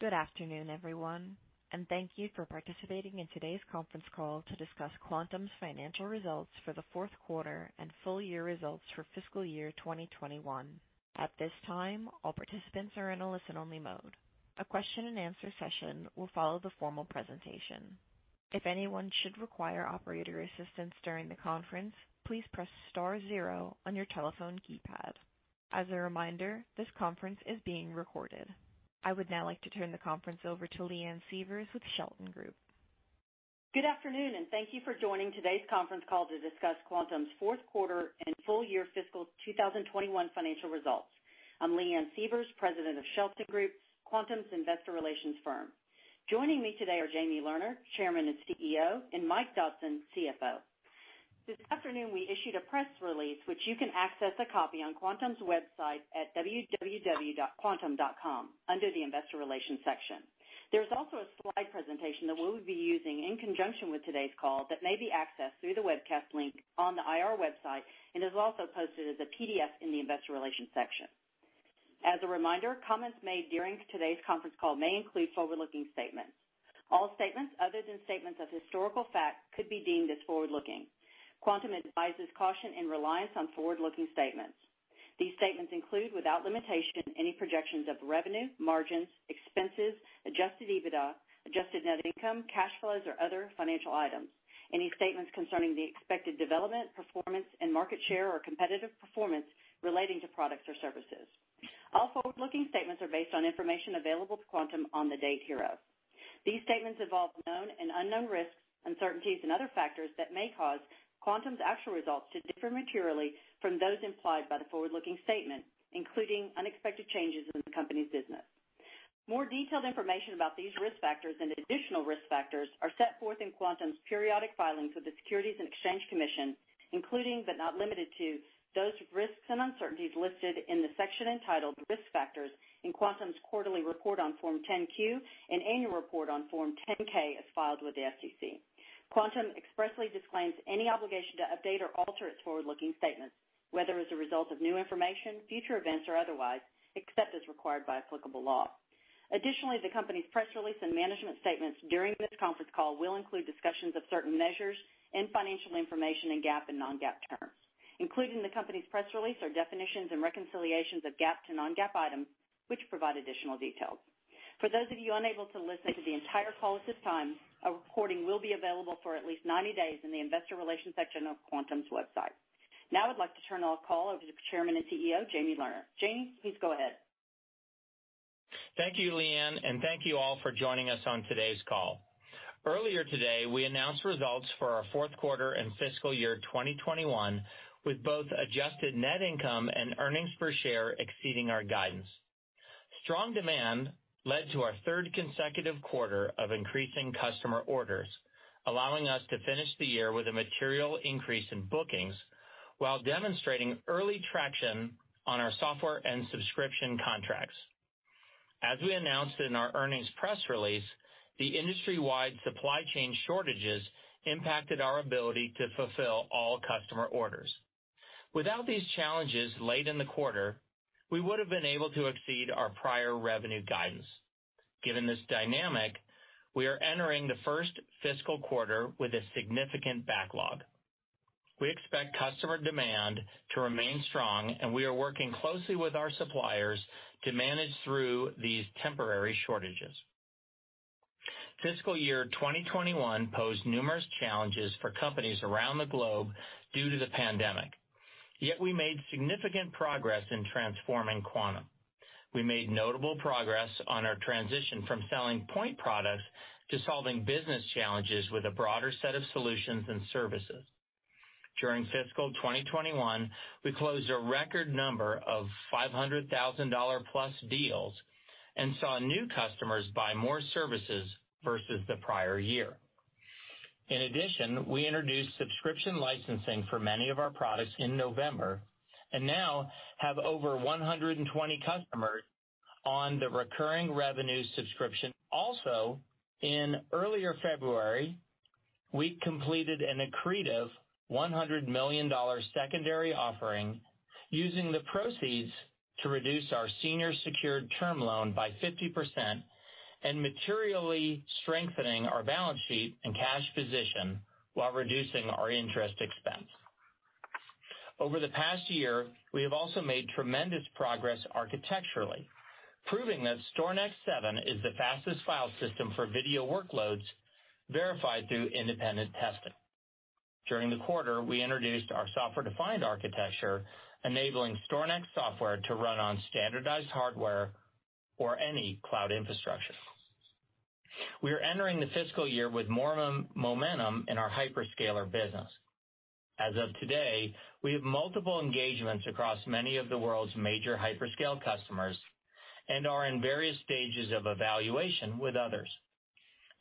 Good afternoon, everyone, and thank you for participating in today's conference call to discuss Quantum's financial results for the fourth quarter and full year results for fiscal year 2021. At this time, all participants are in a listen-only mode. A question and answer session will follow the formal presentation. If anyone should require operator assistance during the conference, please press star zero on your telephone keypad. As a reminder, this conference is being recorded. I would now like to turn the conference over to Leanne Sievers with Shelton Group. Good afternoon, and thank you for joining today's conference call to discuss Quantum's fourth quarter and full year fiscal 2021 financial results. I'm Leanne Sievers, President of Shelton Group, Quantum's investor relations firm. Joining me today are Jamie Lerner, Chairman and CEO; and Mike Dodson, CFO. This afternoon, we issued a press release, which you can access a copy on Quantum's website at www.quantum.com under the investor relations section. There's also a slide presentation that we'll be using in conjunction with today's call that may be accessed through the webcast link on the IR website, and is also posted as a PDF in the investor relations section. As a reminder, comments made during today's conference call may include forward-looking statements. All statements other than statements of historical fact could be deemed as forward-looking. Quantum advises caution in reliance on forward-looking statements. These statements include, without limitation, any projections of revenue, margins, expenses, adjusted EBITDA, adjusted net income, cash flows, or other financial items. Any statements concerning the expected development, performance, and market share or competitive performance relating to products or services. All forward-looking statements are based on information available to Quantum on the date hereof. These statements involve known and unknown risks, uncertainties and other factors that may cause Quantum's actual results to differ materially from those implied by the forward-looking statements, including unexpected changes in the company's business. More detailed information about these risk factors and additional risk factors are set forth in Quantum's periodic filings with the Securities and Exchange Commission, including, but not limited to, those risks and uncertainties listed in the section entitled "Risk Factors" in Quantum's quarterly report on Form 10-Q and annual report on Form 10-K as filed with the SEC. Quantum expressly disclaims any obligation to update or alter its forward-looking statements, whether as a result of new information, future events, or otherwise, except as required by applicable law. The company's press release and management statements during this conference call will include discussions of certain measures and financial information in GAAP and non-GAAP terms, including the company's press release or definitions and reconciliations of GAAP to non-GAAP items, which provide additional details. For those of you unable to listen to the entire call at this time, a recording will be available for at least 90 days in the investor relations section of Quantum's website. I'd like to turn our call over to the Chairman and CEO, Jamie Lerner. Jamie, please go ahead. Thank you, Leanne, and thank you all for joining us on today's call. Earlier today, we announced results for our fourth quarter and fiscal year 2021, with both adjusted net income and earnings per share exceeding our guidance. Strong demand led to our third consecutive quarter of increasing customer orders, allowing us to finish the year with a material increase in bookings while demonstrating early traction on our software and subscription contracts. As we announced in our earnings press release, the industry-wide supply chain shortages impacted our ability to fulfill all customer orders. Without these challenges late in the quarter, we would've been able to exceed our prior revenue guidance. Given this dynamic, we are entering the first fiscal quarter with a significant backlog. We expect customer demand to remain strong, and we are working closely with our suppliers to manage through these temporary shortages. Fiscal year 2021 posed numerous challenges for companies around the globe due to the pandemic. Yet we made significant progress in transforming Quantum. We made notable progress on our transition from selling point products to solving business challenges with a broader set of solutions and services. During fiscal 2021, we closed a record number of $500,000+ deals and saw new customers buy more services versus the prior year. In addition, we introduced subscription licensing for many of our products in November and now have over 120 customers on the recurring revenue subscription. Also, in earlier February, we completed an accretive $100 million secondary offering, using the proceeds to reduce our senior secured term loan by 50% and materially strengthening our balance sheet and cash position while reducing our interest expense. Over the past year, we have also made tremendous progress architecturally, proving that StorNext 7 is the fastest file system for video workloads verified through independent testing. During the quarter, we introduced our software-defined architecture, enabling StorNext software to run on standardized hardware or any cloud infrastructure. We are entering the fiscal year with more momentum in our hyperscaler business. As of today, we have multiple engagements across many of the world's major hyperscale customers and are in various stages of evaluation with others.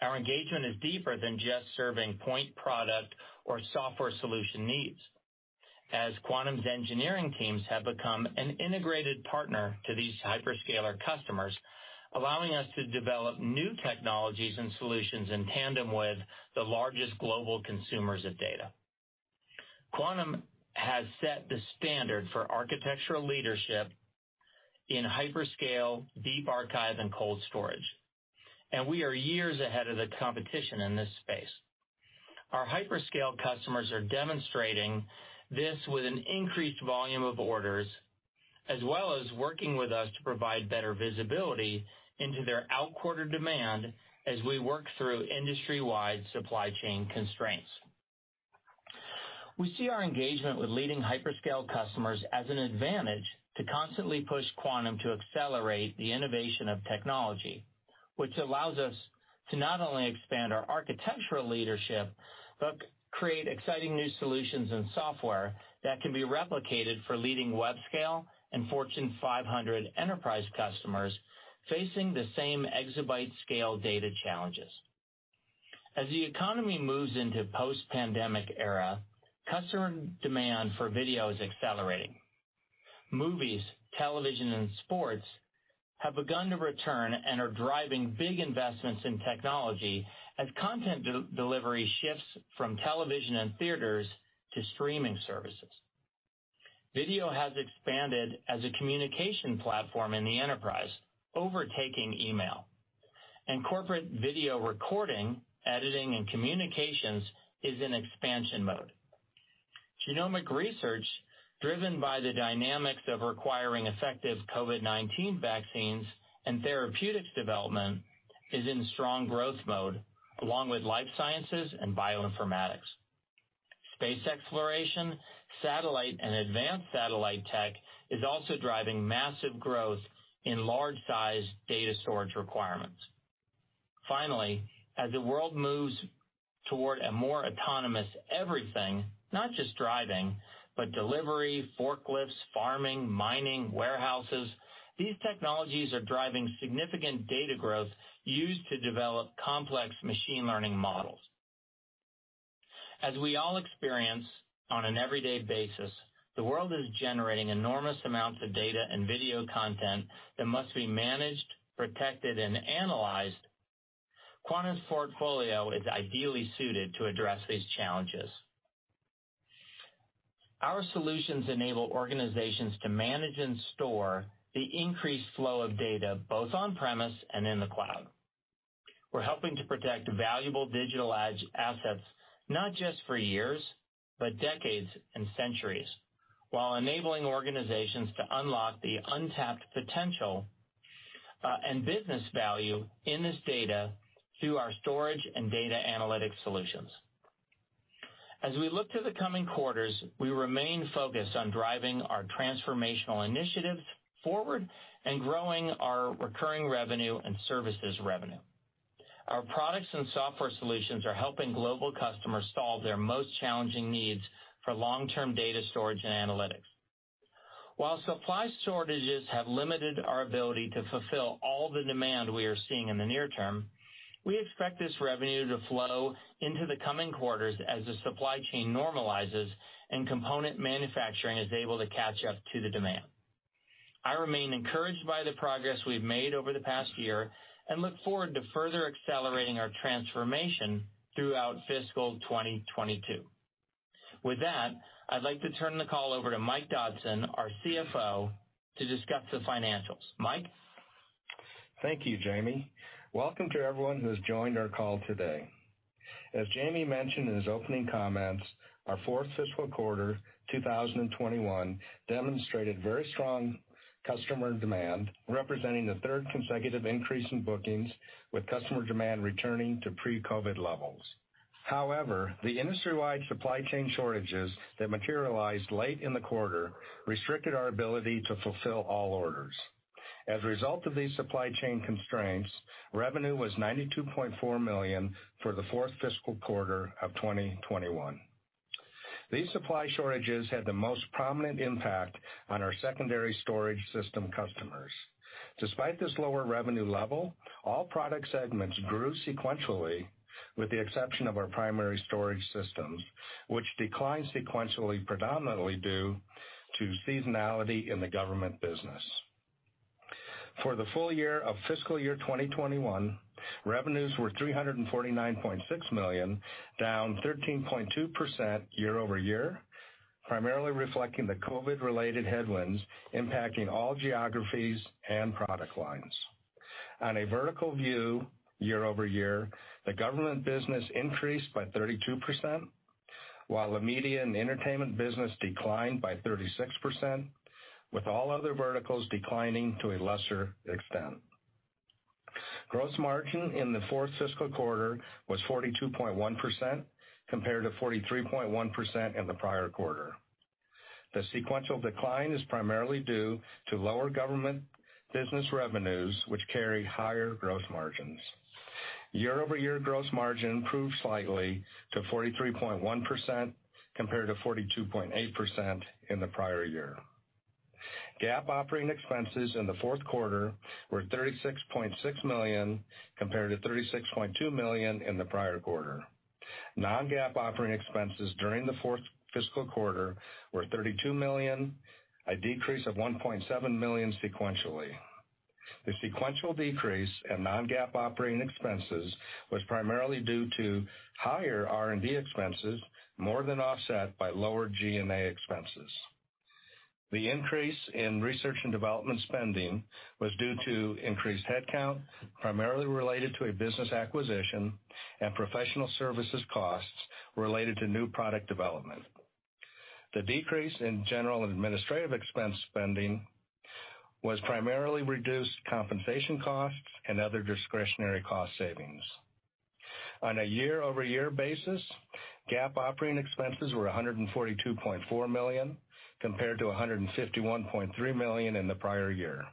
Our engagement is deeper than just serving point product or software solution needs. As Quantum's engineering teams have become an integrated partner to these hyperscaler customers, allowing us to develop new technologies and solutions in tandem with the largest global consumers of data. Quantum has set the standard for architectural leadership in hyperscale, deep archive, and cold storage. We are years ahead of the competition in this space. Our hyperscale customers are demonstrating this with an increased volume of orders, as well as working with us to provide better visibility into their outquarter demand as we work through industry-wide supply chain constraints. We see our engagement with leading hyperscale customers as an advantage to constantly push Quantum to accelerate the innovation of technology, which allows us to not only expand our architectural leadership, but create exciting new solutions and software that can be replicated for leading web scale and Fortune 500 enterprise customers facing the same exabyte scale data challenges. As the economy moves into post-pandemic era, customer demand for video is accelerating. Movies, television, and sports have begun to return and are driving big investments in technology as content delivery shifts from television and theaters to streaming services. Video has expanded as a communication platform in the enterprise, overtaking email, and corporate video recording, editing, and communications is in expansion mode. Genomic research, driven by the dynamics of requiring effective COVID-19 vaccines and therapeutics development, is in strong growth mode, along with life sciences and bioinformatics. Space exploration, satellite, and advanced satellite tech is also driving massive growth in large size data storage requirements. Finally, as the world moves toward a more autonomous everything, not just driving, but delivery, forklifts, farming, mining, warehouses, these technologies are driving significant data growth used to develop complex machine learning models. As we all experience on an everyday basis, the world is generating enormous amounts of data and video content that must be managed, protected, and analyzed. Quantum's portfolio is ideally suited to address these challenges. Our solutions enable organizations to manage and store the increased flow of data both on-premise and in the cloud. We're helping to protect valuable digital assets, not just for years, but decades and centuries, while enabling organizations to unlock the untapped potential and business value in this data through our storage and data analytic solutions. As we look to the coming quarters, we remain focused on driving our transformational initiatives forward and growing our recurring revenue and services revenue. Our products and software solutions are helping global customers solve their most challenging needs for long-term data storage and analytics. While supply shortages have limited our ability to fulfill all the demand we are seeing in the near term, we expect this revenue to flow into the coming quarters as the supply chain normalizes and component manufacturing is able to catch up to the demand. I remain encouraged by the progress we've made over the past year and look forward to further accelerating our transformation throughout fiscal 2022. With that, I'd like to turn the call over to Mike Dodson, our CFO, to discuss the financials. Mike? Thank you, Jamie. Welcome to everyone who has joined our call today. As Jamie mentioned in his opening comments, our fourth fiscal quarter 2021 demonstrated very strong customer demand, representing the third consecutive increase in bookings with customer demand returning to pre-COVID-19 levels. However, the industry-wide supply chain shortages that materialized late in the quarter restricted our ability to fulfill all orders. As a result of these supply chain constraints, revenue was $92.4 million for the fourth fiscal quarter of 2021. These supply shortages had the most prominent impact on our secondary storage system customers. Despite this lower revenue level, all product segments grew sequentially, with the exception of our primary storage systems, which declined sequentially predominantly due to seasonality in the government business. For the full year of fiscal year 2021, revenues were $349.6 million, down 13.2% year-over-year, primarily reflecting the COVID-related headwinds impacting all geographies and product lines. On a vertical view year-over-year, the government business increased by 32%, while the media and entertainment business declined by 36%, with all other verticals declining to a lesser extent. Gross margin in the fourth fiscal quarter was 42.1%, compared to 43.1% in the prior quarter. The sequential decline is primarily due to lower government business revenues, which carry higher growth margins. Year-over-year gross margin improved slightly to 43.1%, compared to 42.8% in the prior year. GAAP operating expenses in the fourth quarter were $36.6 million, compared to $36.2 million in the prior quarter. Non-GAAP operating expenses during the fourth fiscal quarter were $32 million, a decrease of $1.7 million sequentially. The sequential decrease in non-GAAP operating expenses was primarily due to higher R&D expenses more than offset by lower G&A expenses. The increase in research and development spending was due to increased headcount, primarily related to a business acquisition, and professional services costs related to new product development. The decrease in general and administrative expense spending was primarily reduced compensation costs and other discretionary cost savings. On a year-over-year basis, GAAP operating expenses were $142.4 million compared to $151.3 million in the prior year.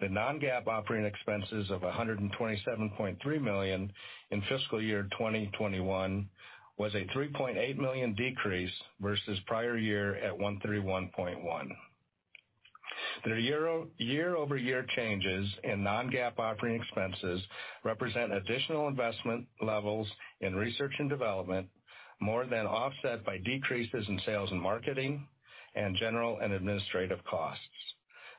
The non-GAAP operating expenses of $127.3 million in fiscal year 2021 was a $3.8 million decrease versus prior year at $131.1 million. The year-over-year changes in non-GAAP operating expenses represent additional investment levels in research and development more than offset by decreases in sales and marketing and general and administrative costs.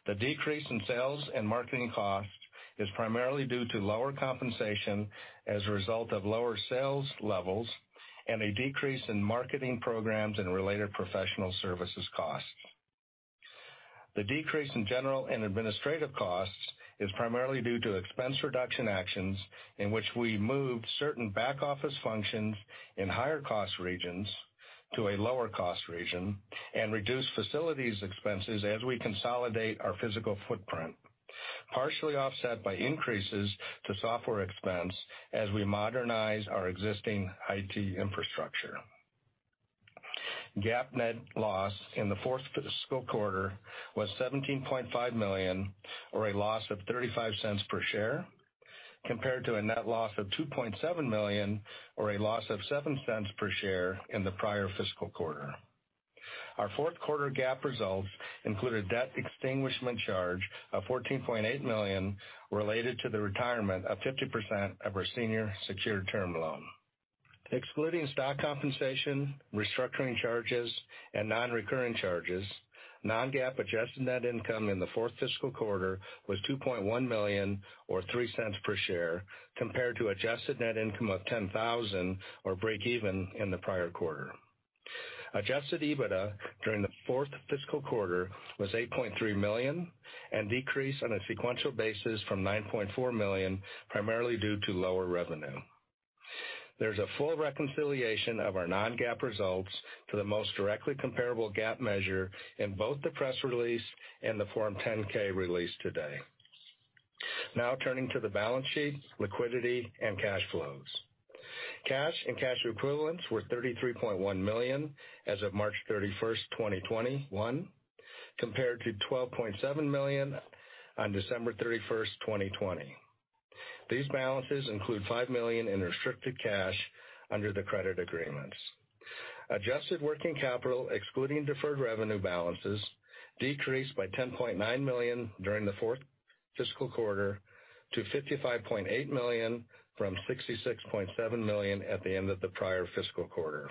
The decrease in sales and marketing costs is primarily due to lower compensation as a result of lower sales levels and a decrease in marketing programs and related professional services costs. The decrease in general and administrative costs is primarily due to expense reduction actions in which we moved certain back-office functions in higher cost regions to a lower cost region and reduced facilities expenses as we consolidate our physical footprint, partially offset by increases to software expense as we modernize our existing IT infrastructure. GAAP net loss in the fourth fiscal quarter was $17.5 million, or a loss of $0.35 per share, compared to a net loss of $2.7 million, or a loss of $0.07 per share in the prior fiscal quarter. Our fourth quarter GAAP results include a debt extinguishment charge of $14.8 million related to the retirement of 50% of our senior secured term loan. Excluding stock compensation, restructuring charges, and non-recurring charges, non-GAAP adjusted net income in the fourth fiscal quarter was $2.1 million, or $0.03 per share, compared to adjusted net income of $10,000 or breakeven in the prior quarter. Adjusted EBITDA during the fourth fiscal quarter was $8.3 million, and decreased on a sequential basis from $9.4 million, primarily due to lower revenue. There's a full reconciliation of our non-GAAP results to the most directly comparable GAAP measure in both the press release and the Form 10-K released today. Turning to the balance sheet, liquidity, and cash flows. Cash and cash equivalents were $33.1 million as of March 31st, 2021, compared to $12.7 million on December 31st, 2020. These balances include $5 million in restricted cash under the credit agreements. Adjusted working capital, excluding deferred revenue balances, decreased by $10.9 million during the fourth fiscal quarter to $55.8 million from $66.7 million at the end of the prior fiscal quarter.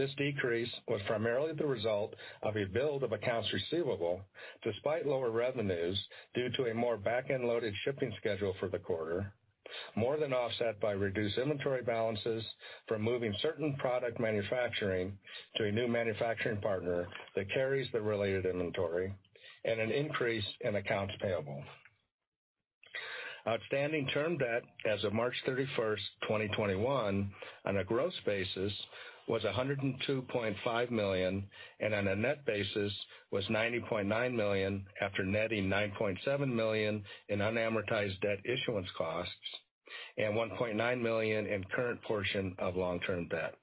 This decrease was primarily the result of a build of accounts receivable despite lower revenues due to a more back-end loaded shipping schedule for the quarter, more than offset by reduced inventory balances from moving certain product manufacturing to a new manufacturing partner that carries the related inventory and an increase in accounts payable. Outstanding term debt as of March 31st, 2021, on a gross basis, was $102.5 million, and on a net basis was $90.9 million after netting $9.7 million in unamortized debt issuance costs and $1.9 million in current portion of long-term debt.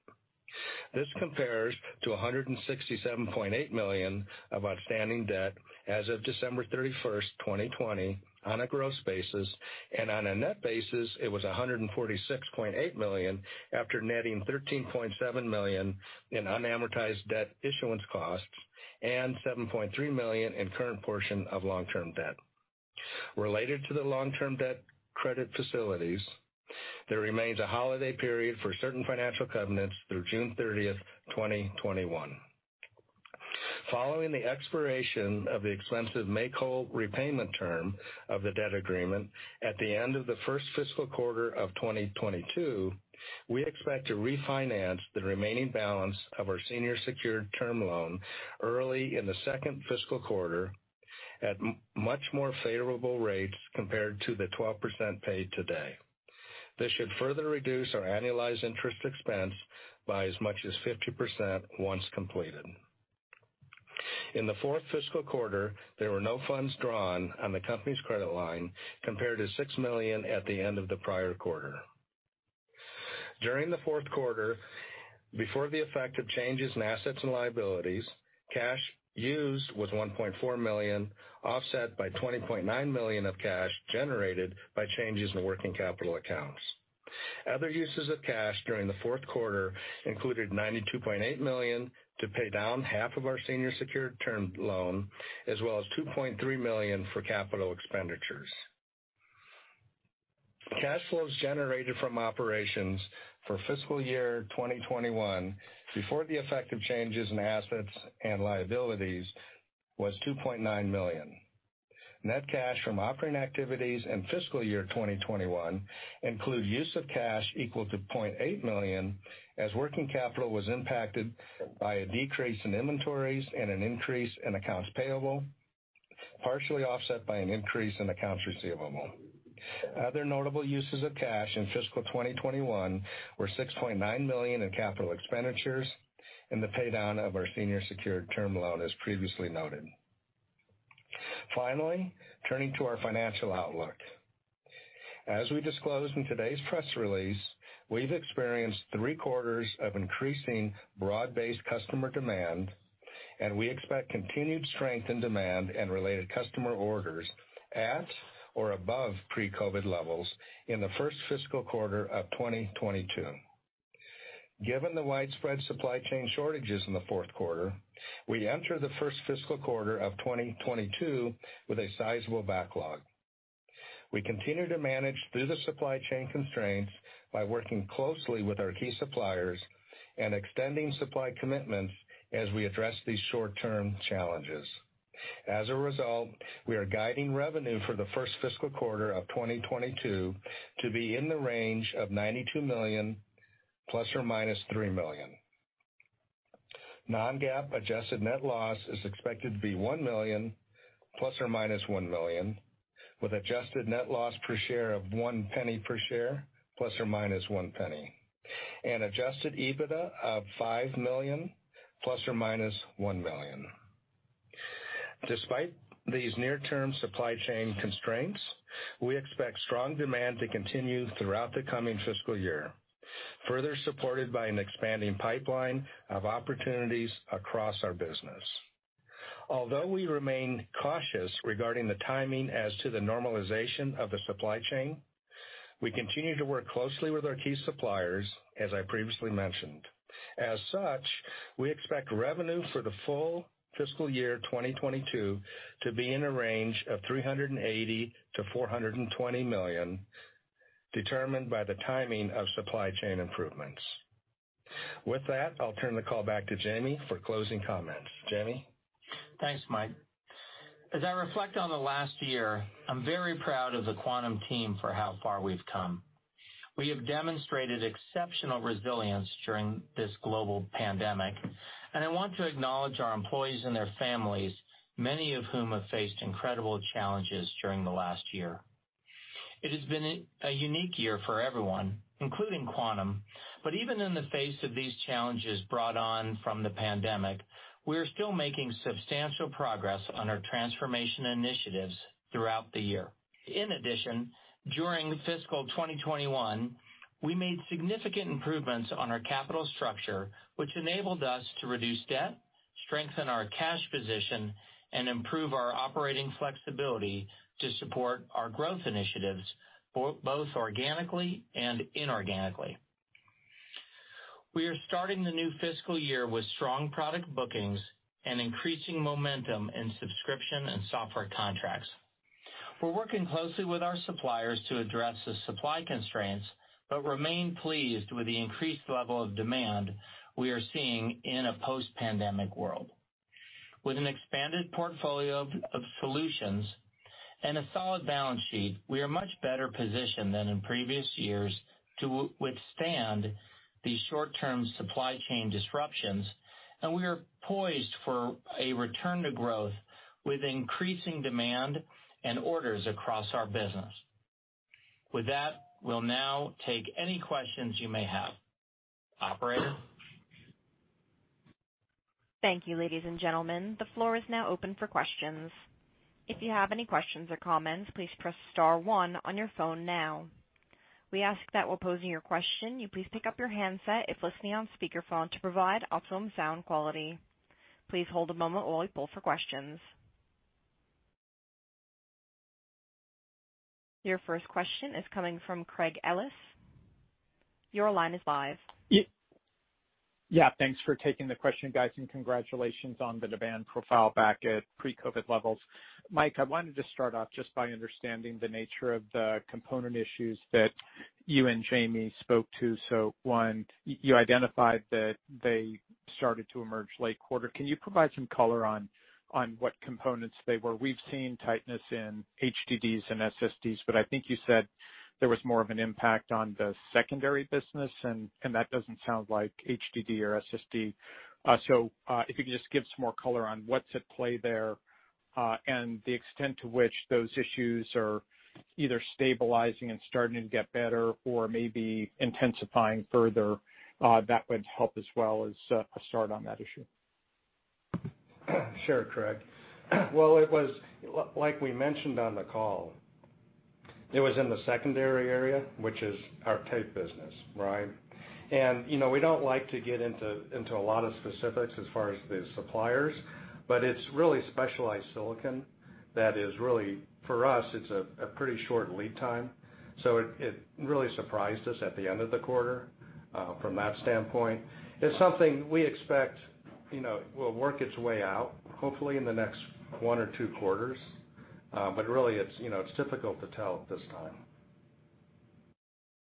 This compares to $167.8 million of outstanding debt as of December 31st, 2020, on a gross basis, and on a net basis, it was $146.8 million after netting $13.7 million in unamortized debt issuance costs and $7.3 million in current portion of long-term debt. Related to the long-term debt credit facilities, there remains a holiday period for certain financial covenants through June 30th, 2021. Following the expiration of the expensive make-whole repayment term of the debt agreement at the end of the first fiscal quarter of 2022, we expect to refinance the remaining balance of our senior secured term loan early in the second fiscal quarter at much more favorable rates compared to the 12% paid today. This should further reduce our annualized interest expense by as much as 50% once completed. In the fourth fiscal quarter, there were no funds drawn on the company's credit line compared to $6 million at the end of the prior quarter. During the fourth quarter, before the effect of changes in assets and liabilities, cash used was $1.4 million, offset by $20.9 million of cash generated by changes in working capital accounts. Other uses of cash during the fourth quarter included $92.8 million to pay down half of our senior secured term loan as well as $2.3 million for capital expenditures. Cash flows generated from operations for fiscal year 2021 before the effect of changes in assets and liabilities was $2.9 million. Net cash from operating activities in fiscal year 2021 include use of cash equal to $0.8 million as working capital was impacted by a decrease in inventories and an increase in accounts payable, partially offset by an increase in accounts receivable. Other notable uses of cash in fiscal 2021 were $6.9 million in capital expenditures and the pay-down of our senior secured term loan, as previously noted. Finally, turning to our financial outlook. As we disclosed in today's press release, we've experienced three quarters of increasing broad-based customer demand, and we expect continued strength in demand and related customer orders at or above pre-COVID-19 levels in the first fiscal quarter of 2022. Given the widespread supply chain shortages in the fourth quarter, we enter the first fiscal quarter of 2022 with a sizable backlog. We continue to manage through the supply chain constraints by working closely with our key suppliers and extending supply commitments as we address these short-term challenges. As a result, we are guiding revenue for the first fiscal quarter of 2022 to be in the range of $92 million ±$3 million. Non-GAAP adjusted net loss is expected to be $1 million ±$1 million, with adjusted net loss per share of $0.01 per share ±$0.01, and adjusted EBITDA of $5 million ±$1 million. Despite these near-term supply chain constraints, we expect strong demand to continue throughout the coming fiscal year, further supported by an expanding pipeline of opportunities across our business. Although we remain cautious regarding the timing as to the normalization of the supply chain, we continue to work closely with our key suppliers, as I previously mentioned. As such, we expect revenue for the full fiscal year 2022 to be in a range of $380 million-$420 million, determined by the timing of supply chain improvements. With that, I'll turn the call back to Jamie for closing comments. Jamie? Thanks, Mike. As I reflect on the last year, I'm very proud of the Quantum team for how far we've come. We have demonstrated exceptional resilience during this global pandemic, and I want to acknowledge our employees and their families, many of whom have faced incredible challenges during the last year. It has been a unique year for everyone, including Quantum, but even in the face of these challenges brought on from the pandemic, we are still making substantial progress on our transformation initiatives throughout the year. In addition, during fiscal 2021, we made significant improvements on our capital structure, which enabled us to reduce debt, strengthen our cash position, and improve our operating flexibility to support our growth initiatives, both organically and inorganically. We are starting the new fiscal year with strong product bookings and increasing momentum in subscription and software contracts. We're working closely with our suppliers to address the supply constraints but remain pleased with the increased level of demand we are seeing in a post-pandemic world. With an expanded portfolio of solutions and a solid balance sheet, we are much better positioned than in previous years to withstand these short-term supply chain disruptions, and we are poised for a return to growth with increasing demand and orders across our business. With that, we'll now take any questions you may have. Operator? Thank you, ladies and gentlemen. The floor is now open for questions. If you have any questions or comments, please press star one on your phone now. We ask that while posing your question, you please pick up your handset if listening on speakerphone to provide optimal sound quality. Please hold a moment while we poll for questions. Your first question is coming from Craig Ellis. Your line is live. Thanks for taking the question, guys, and congratulations on the demand profile back at pre-COVID-19 levels. Mike, I wanted to start off just by understanding the nature of the component issues that you and Jamie spoke to. One, you identified that they started to emerge late quarter. Can you provide some color on what components they were? We've seen tightness in HDDs and SSDs, I think you said there was more of an impact on the secondary business, and that doesn't sound like HDD or SSD. If you can just give some more color on what's at play there and the extent to which those issues are either stabilizing and starting to get better or maybe intensifying further, that would help as well as a start on that issue. Sure, Craig. Well, like we mentioned on the call, it was in the secondary area, which is our tape business, right. We don't like to get into a lot of specifics as far as the suppliers, but it's really specialized silicon. That is really, for us, it's a pretty short lead time. It really surprised us at the end of the quarter from that standpoint. It's something we expect will work its way out, hopefully in the next one or two quarters. Really, it's difficult to tell at this time.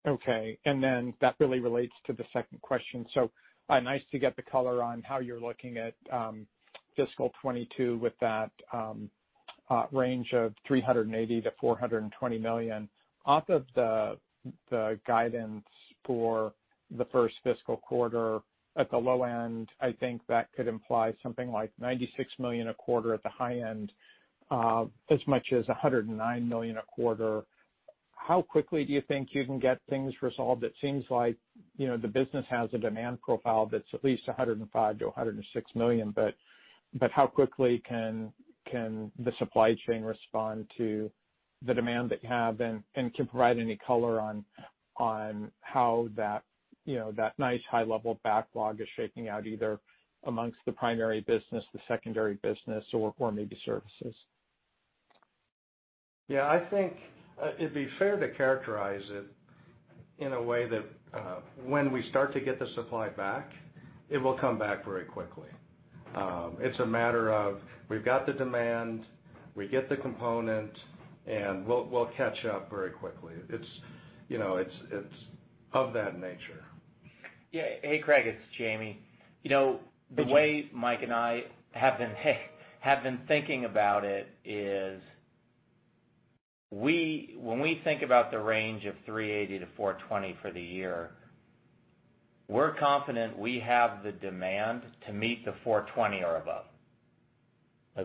Okay, that really relates to the second question. Nice to get the color on how you're looking at fiscal 2022 with that range of $380 million-$420 million. Off of the guidance for the first fiscal quarter at the low end, I think that could imply something like $96 million a quarter at the high end, as much as $109 million a quarter. How quickly do you think you can get things resolved? It seems like the business has a demand profile that's at least $105 million-$106 million, but how quickly can the supply chain respond to the demand that you have and can provide any color on how that nice high-level backlog is shaking out, either amongst the primary business, the secondary business, or maybe services? I think it'd be fair to characterize it in a way that when we start to get the supply back, it will come back very quickly. It's a matter of we've got the demand, we get the component, and we'll catch up very quickly. It's of that nature. Yeah. Hey, Craig, it's Jamie. The way Mike and I have been thinking about it is when we think about the range of $380 million-$420 million for the year, we're confident we have the demand to meet the $420 million or above.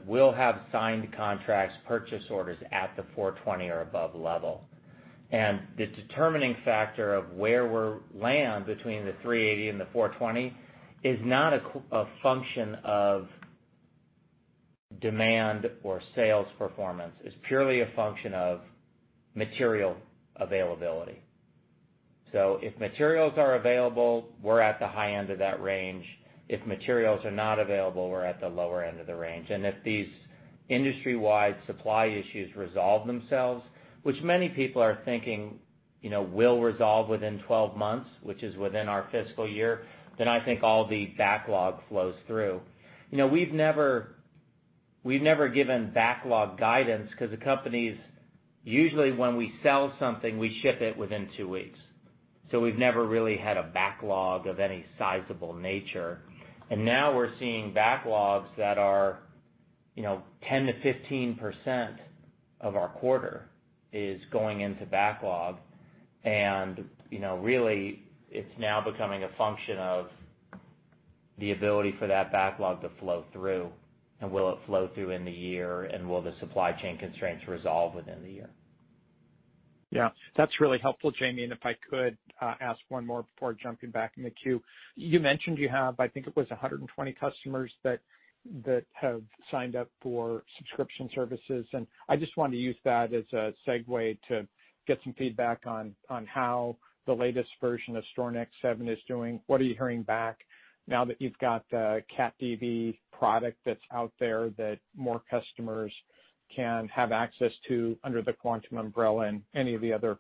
We'll have signed contracts, purchase orders at the $420 million or above level. The determining factor of where we land between the $380 million and the $420 million is not a function of demand or sales performance. It's purely a function of material availability. If materials are available, we're at the high end of that range. If materials are not available, we're at the lower end of the range. If these industry-wide supply issues resolve themselves, which many people are thinking will resolve within 12 months, which is within our fiscal year, then I think all the backlog flows through. We've never given backlog guidance because usually when we sell something, we ship it within two weeks. We've never really had a backlog of any sizable nature, and now we're seeing backlogs that are 10%-15% of our quarter is going into backlog, and really, it's now becoming a function of the ability for that backlog to flow through. Will it flow through in the year, and will the supply chain constraints resolve within the year? Yeah. That's really helpful, Jamie. If I could ask one more before jumping back in the queue. You mentioned you have, I think it was 120 customers that have signed up for subscription services. I just want to use that as a segue to get some feedback on how the latest version of StorNext 7 is doing. What are you hearing back now that you've got the CatDV product that's out there that more customers can have access to under the Quantum umbrella, any of the other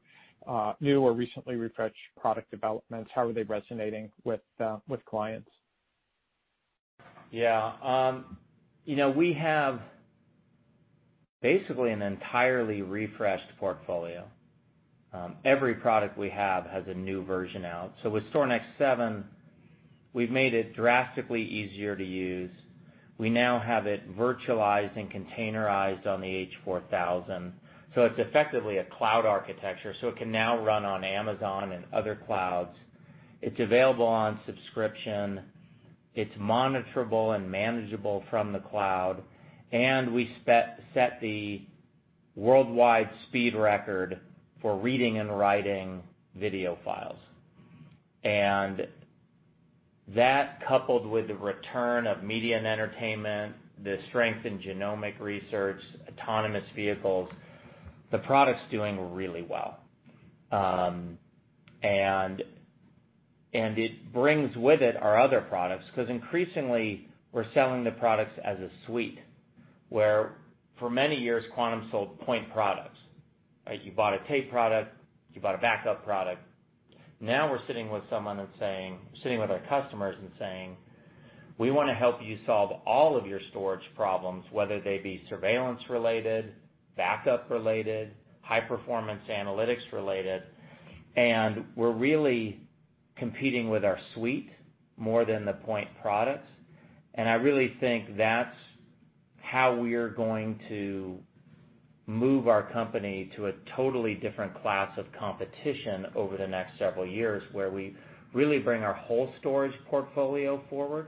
new or recently refreshed product developments, how are they resonating with clients? Yeah. We have basically an entirely refreshed portfolio. Every product we have has a new version out. With StorNext 7, we've made it drastically easier to use. We now have it virtualized and containerized on the H4000. It's effectively a cloud architecture. It can now run on Amazon and other clouds. It's available on subscription. It's monitorable and manageable from the cloud. We set the worldwide speed record for reading and writing video files. That, coupled with the return of media and entertainment, the strength in genomic research, autonomous vehicles, the product's doing really well. It brings with it our other products because increasingly we're selling the products as a suite, where for many years, Quantum sold point products. You bought a tape product, you bought a backup product. We're sitting with our customers and saying, "We want to help you solve all of your storage problems," whether they be surveillance-related, backup-related, high-performance analytics-related, and we're really competing with our suite more than the point products. I really think that's how we are going to move our company to a totally different class of competition over the next several years, where we really bring our whole storage portfolio forward.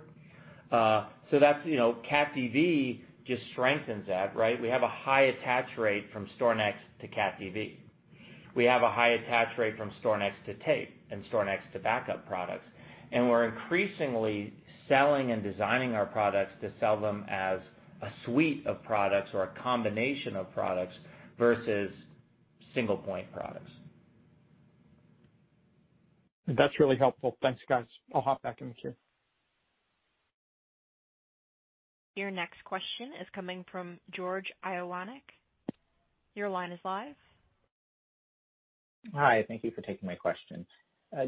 CatDV just strengthens that, right? We have a high attach rate from StorNext to CatDV. We have a high attach rate from StorNext to tape and StorNext to backup products, and we're increasingly selling and designing our products to sell them as a suite of products or a combination of products versus single-point products. That's really helpful. Thanks, guys. I'll hop back in the queue. Your next question is coming from George Iwanyc. Your line is live. Hi, thank you for taking my questions.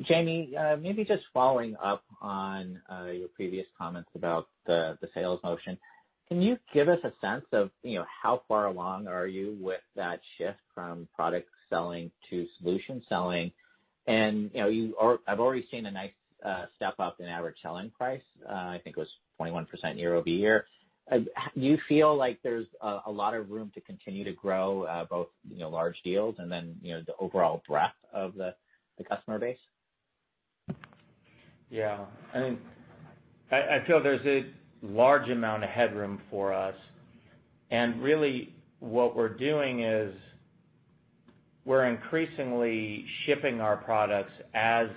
Jamie, maybe just following up on your previous comments about the sales motion. Can you give us a sense of how far along are you with that shift from product selling to solution selling? I've already seen a nice step up in average selling price. I think it was 21% year-over-year. Do you feel like there's a lot of room to continue to grow both large deals and then the overall breadth of the customer base? I feel there's a large amount of headroom for us, and really what we're doing is we're increasingly shipping our products as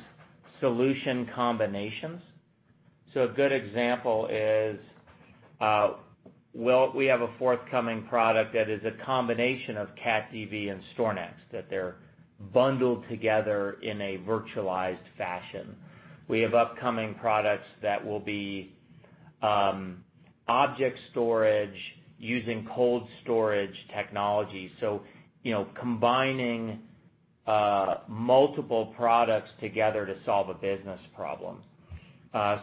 solution combinations. A good example is we have a forthcoming product that is a combination of CatDV and StorNext, that they're bundled together in a virtualized fashion. We have upcoming products that will be object storage using cold storage technology. Combining multiple products together to solve a business problem.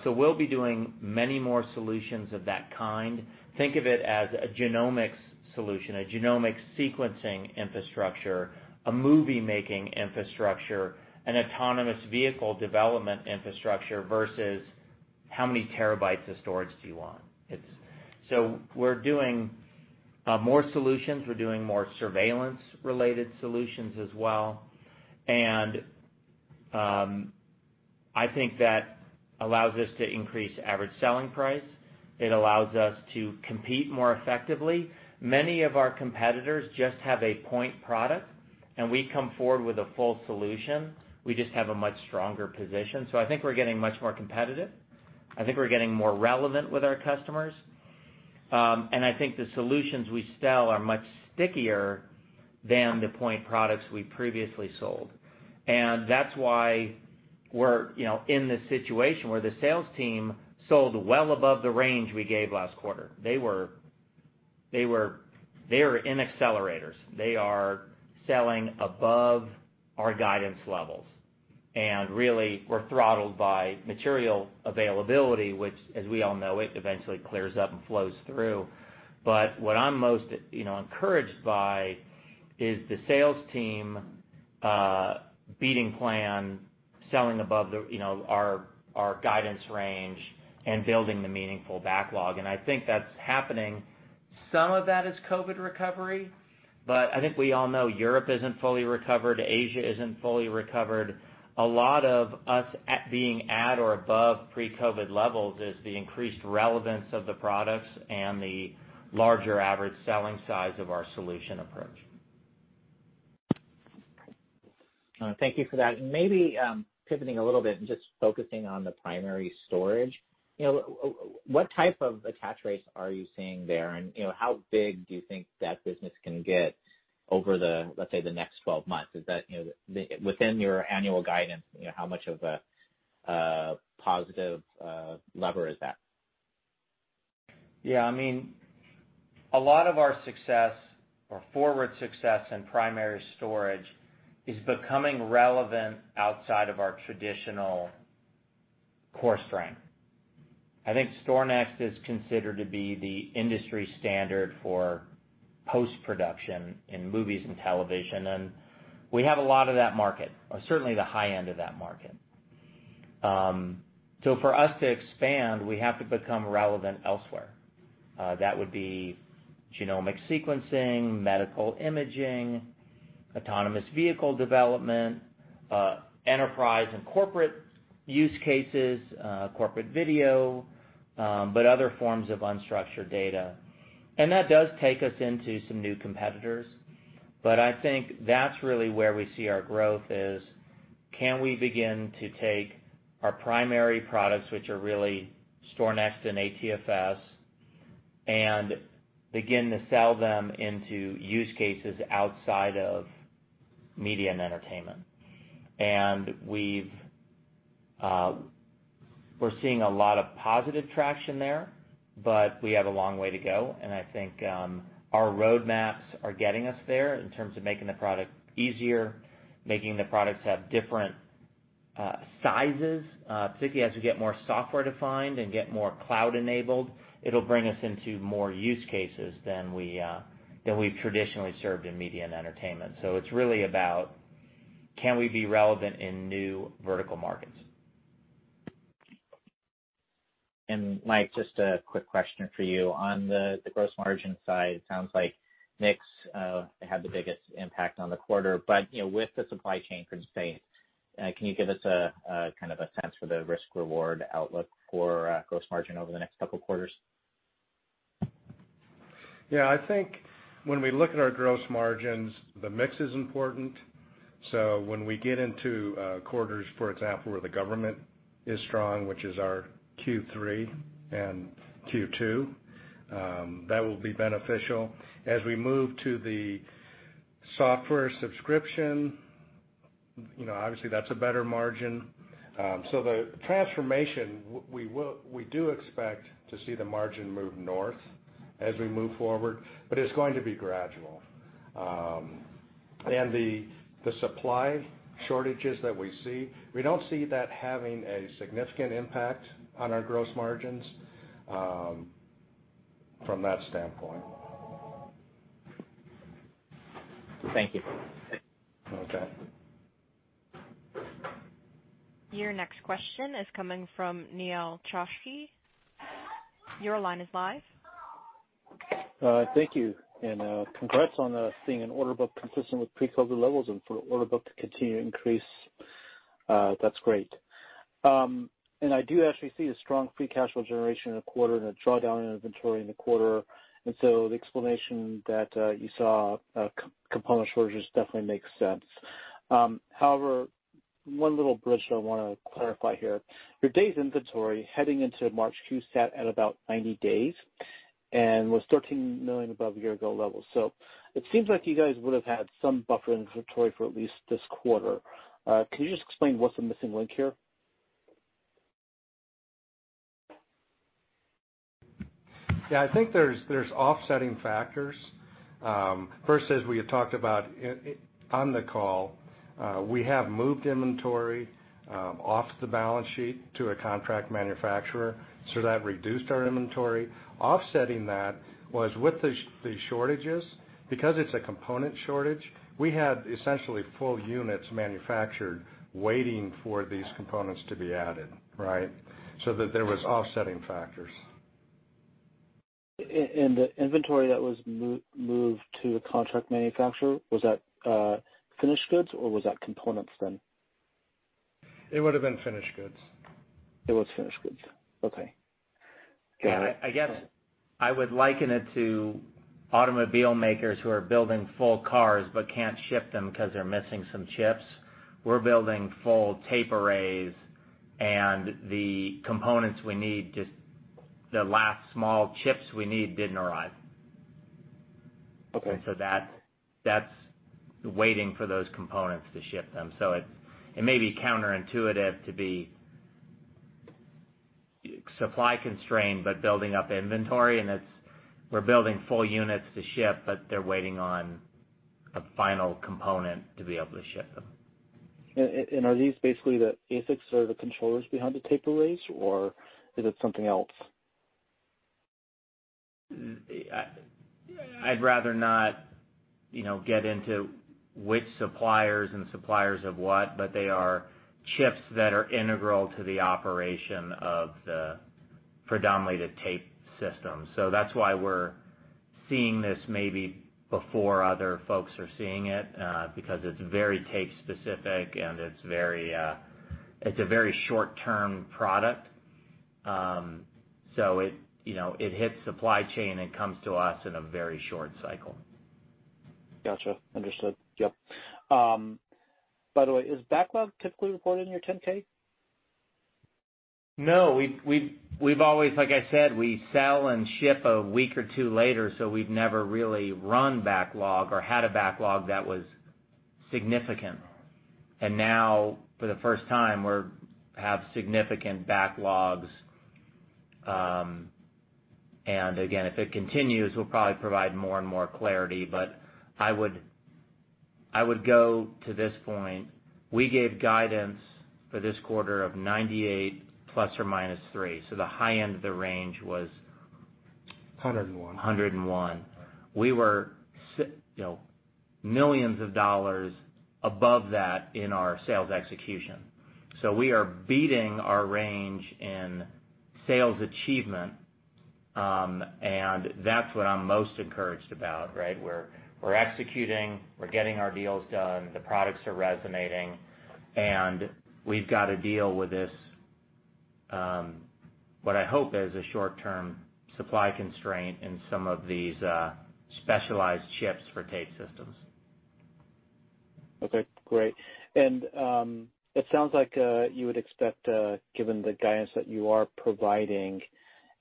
We'll be doing many more solutions of that kind. Think of it as a genomics solution, a genomics sequencing infrastructure, a movie-making infrastructure, an autonomous vehicle development infrastructure versus how many terabytes of storage do you want. We're doing more solutions. We're doing more surveillance-related solutions as well, and I think that allows us to increase average selling price. It allows us to compete more effectively. Many of our competitors just have a point product, and we come forward with a full solution. We just have a much stronger position. I think we're getting much more competitive, I think we're getting more relevant with our customers, and I think the solutions we sell are much stickier than the point products we previously sold. That's why we're in this situation where the sales team sold well above the range we gave last quarter. They were in accelerators. They are selling above our guidance levels, and really we're throttled by material availability, which as we all know, it eventually clears up and flows through. What I'm most encouraged by is the sales team beating plan, selling above our guidance range and building the meaningful backlog. I think that's happening. Some of that is COVID recovery. I think we all know Europe isn't fully recovered, Asia isn't fully recovered. A lot of us being at or above pre-COVID levels is the increased relevance of the products and the larger average selling size of our solution approach. Thank you for that. Maybe pivoting a little bit and just focusing on the primary storage, what type of attach rates are you seeing there, and how big do you think that business can get over the, let's say the next 12 months? Within your annual guidance, how much of a positive lever is that? A lot of our success or forward success in primary storage is becoming relevant outside of our traditional core strength. I think StorNext is considered to be the industry standard for post-production in movies and television, and we have a lot of that market, or certainly the high end of that market. For us to expand, we have to become relevant elsewhere. That would be genomic sequencing, medical imaging, autonomous vehicle development, enterprise and corporate use cases, corporate video, but other forms of unstructured data. That does take us into some new competitors, but I think that's really where we see our growth is, can we begin to take our primary products, which are really StorNext and ATFS, and begin to sell them into use cases outside of media and entertainment. We're seeing a lot of positive traction there, we have a long way to go, I think our roadmaps are getting us there in terms of making the product easier, making the products have different sizes. Particularly as we get more software-defined and get more cloud-enabled, it'll bring us into more use cases than we've traditionally served in media and entertainment. It's really about can we be relevant in new vertical markets. Mike, just a quick question for you. On the gross margin side, it sounds like mix had the biggest impact on the quarter, but with the supply chain constraints, can you give us a sense for the risk-reward outlook for gross margin over the next couple quarters? Yeah, I think when we look at our gross margins, the mix is important. When we get into quarters, for example, where the government is strong, which is our Q3 and Q2, that will be beneficial. As we move to the software subscription, obviously that's a better margin. The transformation, we do expect to see the margin move north as we move forward, but it's going to be gradual. The supply shortages that we see, we don't see that having a significant impact on our gross margins from that standpoint. Thank you. Okay. Your next question is coming from Nehal Chokshi. Your line is live. Thank you. Congrats on seeing an order book consistent with pre-COVID-19 levels and for order book to continue to increase. That's great. I do actually see a strong free cash flow generation in the quarter and a drawdown in inventory in the quarter. The explanation that you saw component shortages definitely makes sense. However, one little bridge that I want to clarify here. Your days inventory heading into March Q sat at about 90 days and was $13 million above year-ago levels. It seems like you guys would've had some buffer inventory for at least this quarter. Can you just explain what's the missing link here? I think there's offsetting factors. First, as we had talked about on the call, we have moved inventory off the balance sheet to a contract manufacturer, so that reduced our inventory. Offsetting that was with the shortages, because it's a component shortage, we had essentially full units manufactured waiting for these components to be added, right? That there was offsetting factors. The inventory that was moved to a contract manufacturer, was that finished goods or was that components then? It would've been finished goods. It was finished goods. Okay. Got it. I guess I would liken it to automobile makers who are building full cars but can't ship them because they're missing some chips. We're building full tape arrays and the components we need, just the last small chips we need didn't arrive. Okay. That's waiting for those components to ship them. It may be counterintuitive to be supply constrained, but building up inventory, we're building full units to ship, but they're waiting on a final component to be able to ship them. Are these basically the ASICs or the controllers behind the tape arrays or is it something else? I'd rather not get into which suppliers and suppliers of what, but they are chips that are integral to the operation of the predominantly the tape system. That's why we're seeing this maybe before other folks are seeing it, because it's very tape specific, and it's a very short-term product. It hits supply chain and comes to us in a very short cycle. Got you. Understood. Yep. By the way, is backlog typically reported in your 10-K? No, like I said, we sell and ship a week or two later, so we've never really run backlog or had a backlog that was significant. Now for the first time we have significant backlogs. Again, if it continues, we'll probably provide more and more clarity, but I would go to this point. We gave guidance for this quarter of $98 million ±$3 million. The high end of the range was. $101 million. $101 million. We were millions of dollars above that in our sales execution. We are beating our range in sales achievement. That's what I'm most encouraged about, right? We're executing, we're getting our deals done, the products are resonating, and we've got to deal with this, what I hope is a short-term supply constraint in some of these specialized chips for tape systems. Okay, great. It sounds like you would expect, given the guidance that you are providing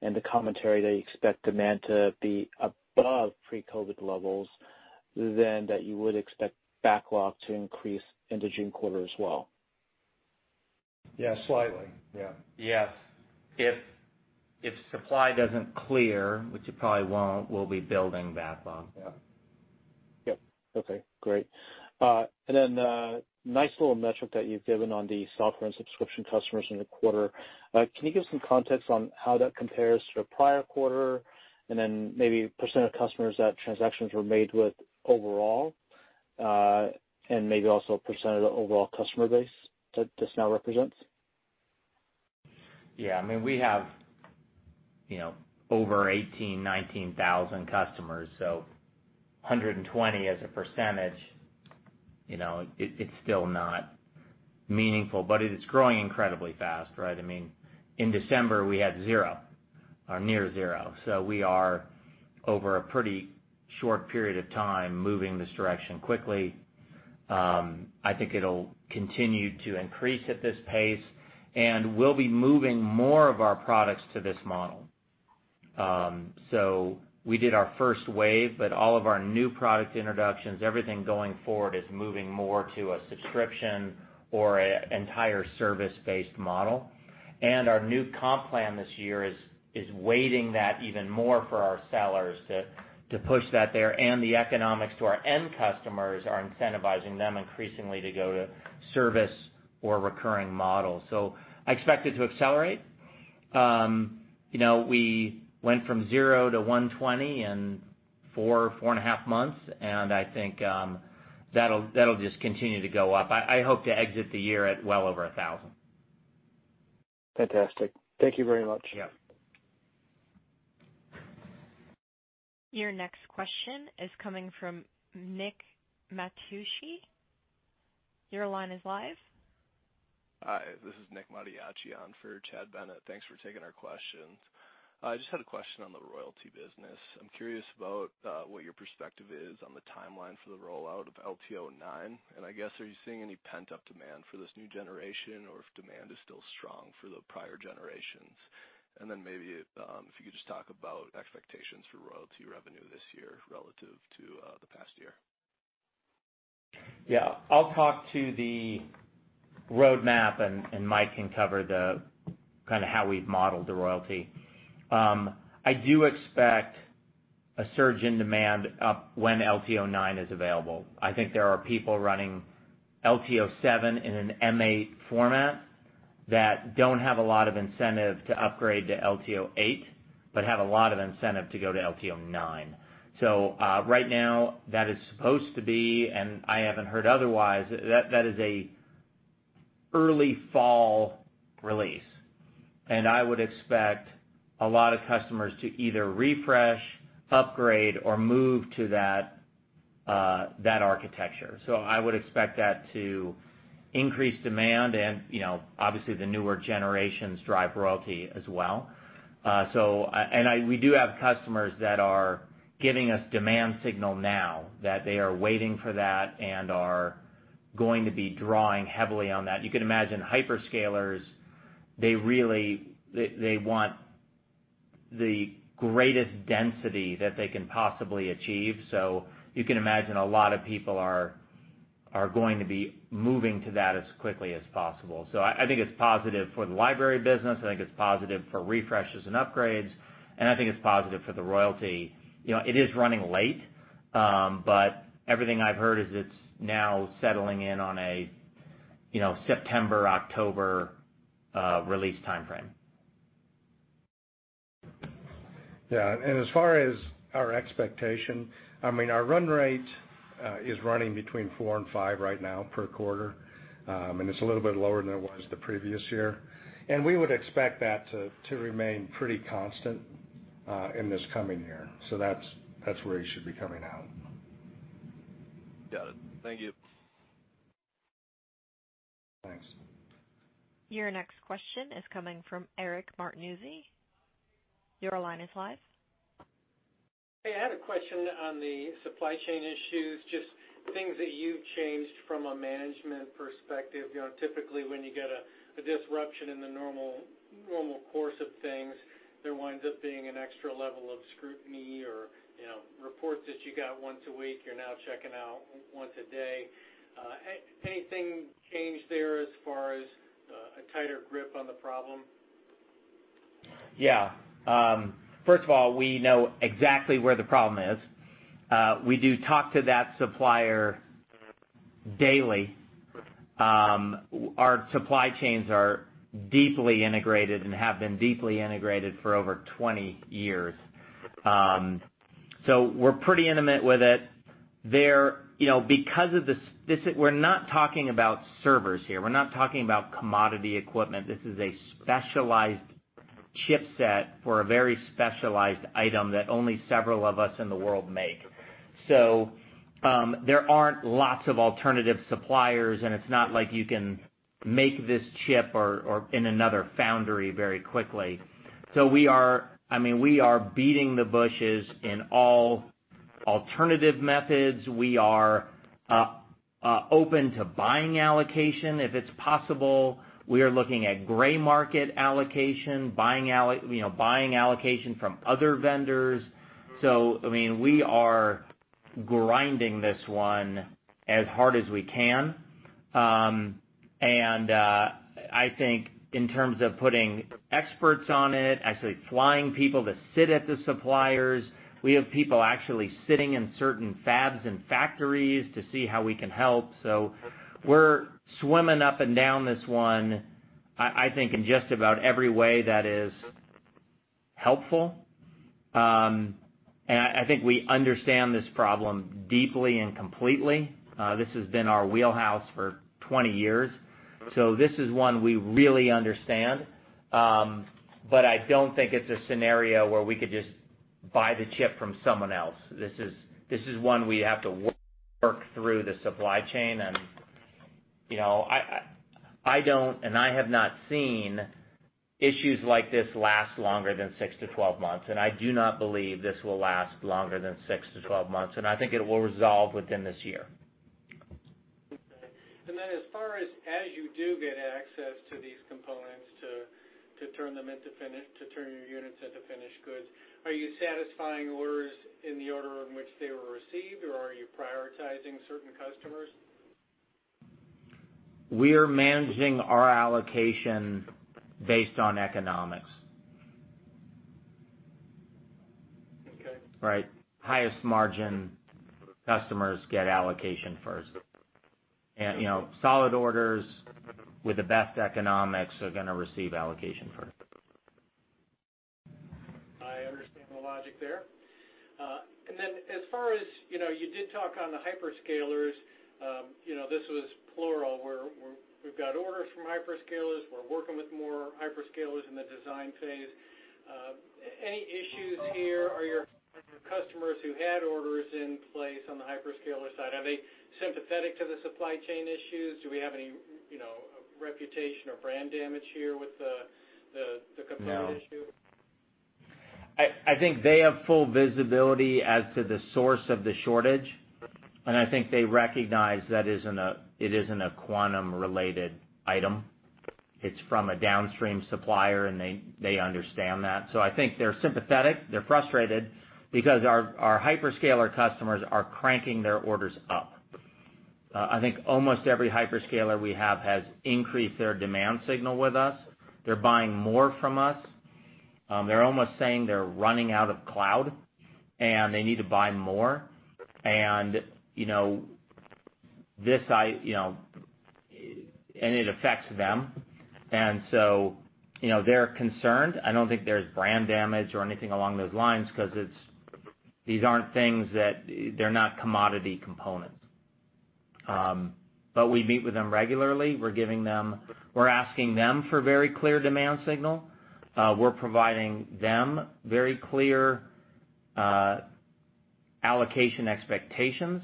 and the commentary that you expect demand to be above pre-COVID levels, then that you would expect backlog to increase in the June quarter as well. Yeah. Slightly. Yeah. Yes. If supply doesn't clear, which it probably won't, we'll be building backlog. Yeah. Yep. Okay, great. Nice little metric that you've given on the software and subscription customers in the quarter. Can you give some context on how that compares to the prior quarter and then maybe percent of customers that transactions were made with overall, and maybe also percent of the overall customer base that this now represents? Yeah. We have over 18,000, 19,000 customers, 120 as a percentage, it's still not meaningful, but it's growing incredibly fast, right? In December we had zero or near zero. We are over a pretty short period of time moving this direction quickly. I think it'll continue to increase at this pace, and we'll be moving more of our products to this model. We did our first wave, but all of our new product introductions, everything going forward is moving more to a subscription or an entire service-based model. Our new comp plan this year is weighting that even more for our sellers to push that there, and the economics to our end customers are incentivizing them increasingly to go to service or recurring models. I expect it to accelerate. We went from zero to 120 in four and a half months, and I think that'll just continue to go up. I hope to exit the year at well over 1,000. Fantastic. Thank you very much. Yeah. Your next question is coming from Nick Mattiacci. Your line is live. Hi, this is Nick Mattiacci for Chad Bennett. Thanks for taking our questions. I just had a question on the royalty business. I'm curious about what your perspective is on the timeline for the rollout of LTO-9. I guess, are you seeing any pent-up demand for this new generation, or if demand is still strong for the prior generations? Maybe if you could just talk about expectations for royalty revenue this year relative to the past year. I'll talk to the roadmap, and Mike can cover how we've modeled the royalty. I do expect a surge in demand up when LTO-9 is available. I think there are people running LTO-7 in an M8 format that don't have a lot of incentive to upgrade to LTO-8, but have a lot of incentive to go to LTO-9. Right now, that is supposed to be, and I haven't heard otherwise, that is a early fall release. I would expect a lot of customers to either refresh, upgrade, or move to that architecture. I would expect that to increase demand and obviously the newer generations drive royalty as well. We do have customers that are giving us demand signal now that they are waiting for that and are going to be drawing heavily on that. You can imagine hyperscalers, they want the greatest density that they can possibly achieve. You can imagine a lot of people are going to be moving to that as quickly as possible. I think it's positive for the library business, I think it's positive for refreshes and upgrades, and I think it's positive for the royalty. It is running late, but everything I've heard is it's now settling in on a September, October release timeframe. Yeah. As far as our expectation, our run rate is running between four and five right now per quarter. It's a little bit lower than it was the previous year. We would expect that to remain pretty constant in this coming year. That's where you should be coming out. Yeah. Thank you. Thanks. Your next question is coming from Eric Martinuzzi. Your line is live. Hey, I had a question on the supply chain issues, just things that you've changed from a management perspective. Typically, when you get a disruption in the normal course of things, there winds up being an extra level of scrutiny or reports that you got once a week, you're now checking out once a day. Anything change there as far as a tighter grip on the problem? Yeah. First of all, we know exactly where the problem is. We do talk to that supplier daily. Our supply chains are deeply integrated and have been deeply integrated for over 20 years. We're pretty intimate with it. We're not talking about servers here. We're not talking about commodity equipment. This is a specialized chipset for a very specialized item that only several of us in the world make. There aren't lots of alternative suppliers, and it's not like you can make this chip or in another foundry very quickly. We are beating the bushes in all alternative methods. We are open to buying allocation if it's possible. We are looking at gray market allocation, buying allocation from other vendors. We are grinding this one as hard as we can. I think in terms of putting experts on it, actually flying people to sit at the suppliers. We have people actually sitting in certain fabs and factories to see how we can help. We're swimming up and down this one, I think, in just about every way that is helpful. I think we understand this problem deeply and completely. This has been our wheelhouse for 20 years, so this is one we really understand. I don't think it's a scenario where we could just buy the chip from someone else. This is one we have to work through the supply chain, and I have not seen issues like this last longer than 6 to 12 months, and I do not believe this will last longer than 6-12 months, and I think it will resolve within this year. Okay. As far as you do get access to these components to turn your units into finished goods, are you satisfying orders in the order in which they were received, or are you prioritizing certain customers? We're managing our allocation based on economics. Okay. Right. Highest margin customers get allocation first. Solid orders with the best economics are going to receive allocation first. I understand the logic there. As far as, you did talk on the hyperscalers, this was plural, where we've got orders from hyperscalers. We're working with more hyperscalers in the design phase. Any issues here? Are your customers who had orders in place on the hyperscaler side, are they sympathetic to the supply chain issues? Do we have any reputation or brand damage here with the component issue? No. I think they have full visibility as to the source of the shortage. I think they recognize that it isn't a Quantum-related item. It's from a downstream supplier. They understand that. I think they're sympathetic. They're frustrated because our hyperscaler customers are cranking their orders up. I think almost every hyperscaler we have has increased their demand signal with us. They're buying more from us. They're almost saying they're running out of cloud. They need to buy more. It affects them. They're concerned. I don't think there's brand damage or anything along those lines because they're not commodity components. We meet with them regularly. We're asking them for very clear demand signal. We're providing them very clear allocation expectations.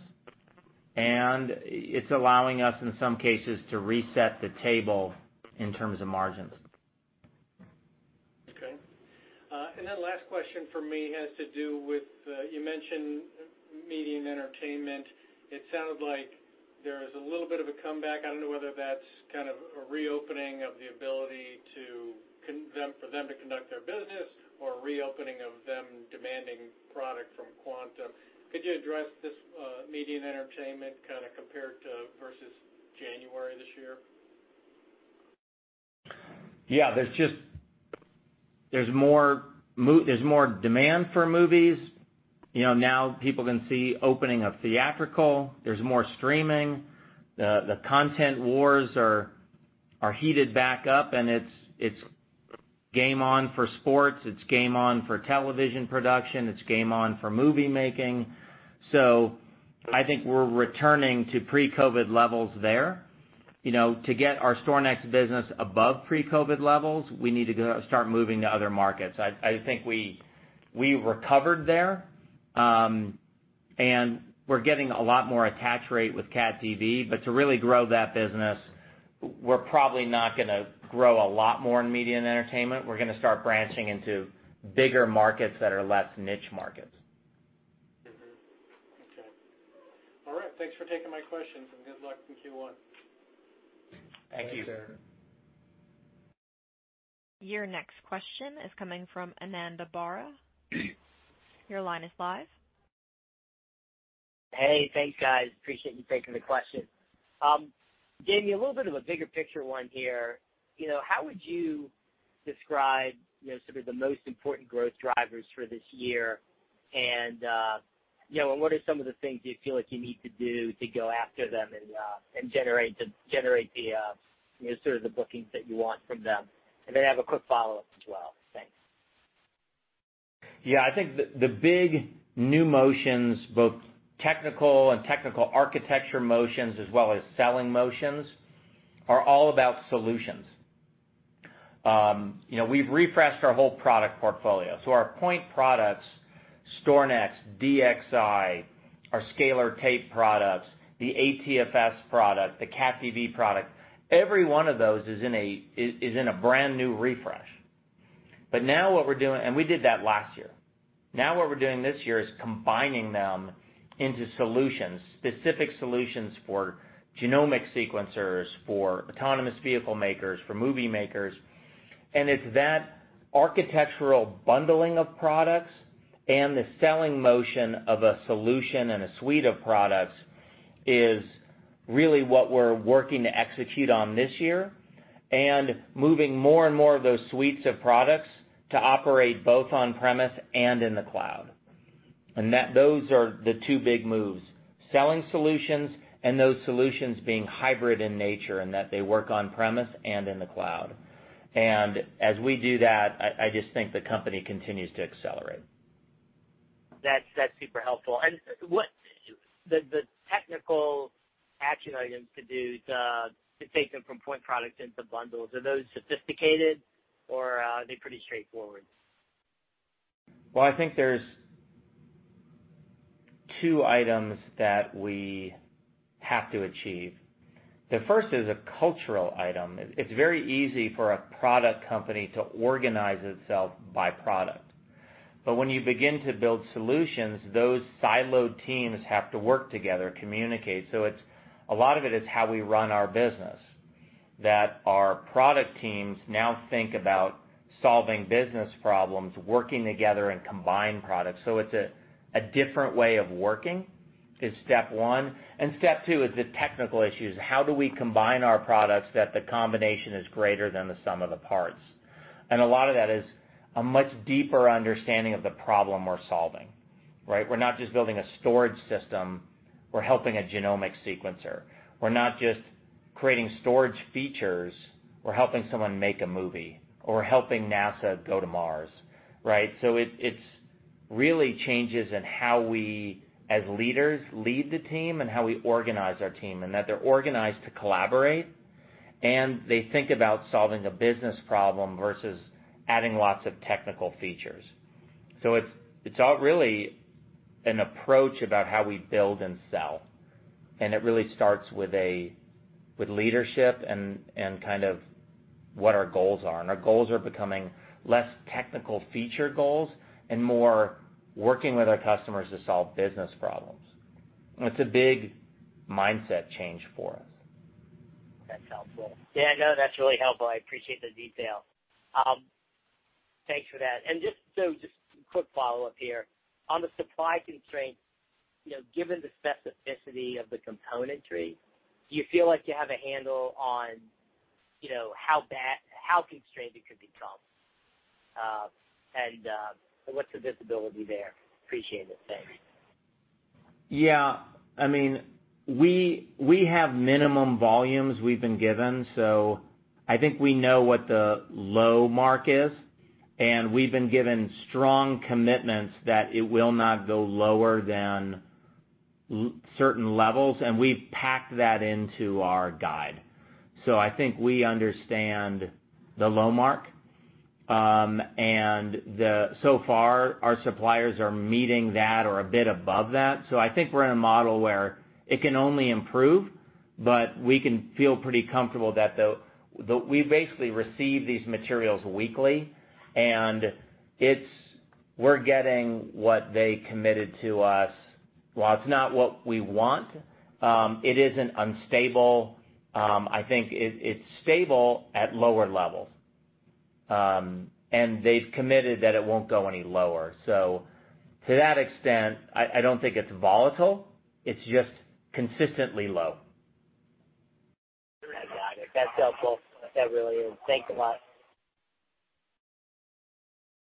It's allowing us, in some cases, to reset the table in terms of margins. Okay. Last question from me has to do with, you mentioned media and entertainment. It sounds like there is a little bit of a comeback. I don't know whether that's kind of a reopening of the ability for them to conduct their business or a reopening of them demanding product from Quantum. Could you address this media and entertainment kind of compared to versus January of this year? Yeah, there's more demand for movies. Now people can see opening of theatrical. There's more streaming. The content wars are heated back up, and it's game on for sports, it's game on for television production, it's game on for movie making. I think we're returning to pre-COVID levels there. To get our StorNext business above pre-COVID levels, we need to start moving to other markets. I think we recovered there, and we're getting a lot more attach rate with CatDV, but to really grow that business, we're probably not going to grow a lot more in media and entertainment. We're going to start branching into bigger markets that are less niche markets. Mm-hmm. Okay. All right. Thanks for taking my questions, and good luck in Q1. Thank you. Thanks, Eric. Your next question is coming from Ananda Baruah. Your line is live. Hey, thanks, guys. Appreciate you taking the question. Jamie, a little bit of a bigger picture one here. How would you describe sort of the most important growth drivers for this year? What are some of the things you feel like you need to do to go after them and generate the sort of the bookings that you want from them? I have a quick follow-up as well. Thanks. Yeah, I think the big new motions, both technical and technical architecture motions as well as selling motions, are all about solutions. We've refreshed our whole product portfolio. Our point products, StorNext, DXi, our Scalar tape products, the ATFS product, the CatDV product, every one of those is in a brand-new refresh. We did that last year. Now what we're doing this year is combining them into solutions, specific solutions for genomic sequencers, for autonomous vehicle makers, for movie makers. It's that architectural bundling of products and the selling motion of a solution and a suite of products is really what we're working to execute on this year, and moving more and more of those suites of products to operate both on-premise and in the cloud. Those are the two big moves, selling solutions and those solutions being hybrid in nature, and that they work on-premise and in the cloud. As we do that, I just think the company continues to accelerate. That's super helpful. The technical action items to do to take them from point products into bundles, are those sophisticated or are they pretty straightforward? Well, I think there's two items that we have to achieve. The first is a cultural item. It's very easy for a product company to organize itself by product. When you begin to build solutions, those siloed teams have to work together, communicate. A lot of it is how we run our business, that our product teams now think about solving business problems, working together, and combine products. It's a different way of working is step one, and step two is the technical issues. How do we combine our products that the combination is greater than the sum of the parts? A lot of that is a much deeper understanding of the problem we're solving, right? We're not just building a storage system. We're helping a genomic sequencer. We're not just creating storage features. We're helping someone make a movie or helping NASA go to Mars, right? It really changes in how we, as leaders, lead the team and how we organize our team, and that they're organized to collaborate, and they think about solving a business problem versus adding lots of technical features. It's all really an approach about how we build and sell, and it really starts with leadership and what our goals are. Our goals are becoming less technical feature goals and more working with our customers to solve business problems. It's a big mindset change for us. That's helpful. Yeah, no, that's really helpful. I appreciate the detail. Thanks for that. Just a quick follow-up here. On the supply constraints, given the specificity of the componentry, do you feel like you have a handle on how constrained it could become, and what's the visibility there? Appreciate it. Thanks. Yeah. We have minimum volumes we've been given, I think we know what the low mark is, and we've been given strong commitments that it will not go lower than certain levels, and we've packed that into our guide. I think we understand the low mark. So far our suppliers are meeting that or a bit above that. I think we're in a model where it can only improve, but we can feel pretty comfortable that we basically receive these materials weekly, and we're getting what they committed to us. While it's not what we want, it isn't unstable. I think it's stable at lower levels. They've committed that it won't go any lower. To that extent, I don't think it's volatile. It's just consistently low. That's helpful. That really is. Thanks a lot.